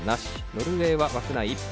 ノルウェーは枠内１本。